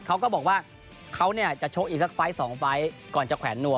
เขาก็บอกว่าเขาเนี่ยจะชกอีกสักไฟล์๒ไฟล์ก่อนจะแขวนนัว